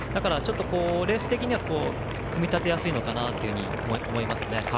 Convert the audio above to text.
レース的には組み立てやすいのかなと思います。